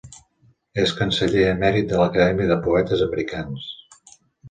És canceller emèrit de l'Acadèmia de Poetes Americans.